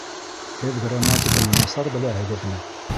Һеҙ грамматиканы насар беләһегеҙме?